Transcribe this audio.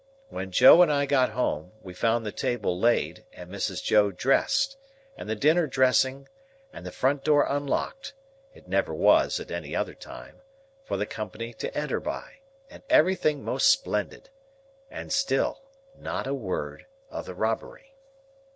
When Joe and I got home, we found the table laid, and Mrs. Joe dressed, and the dinner dressing, and the front door unlocked (it never was at any other time) for the company to enter by, and everything most splendid. And still, not a word of the robbery.